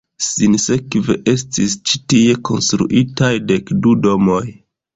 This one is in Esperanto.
Sinsekve estis ĉi tie konstruitaj dek du domoj.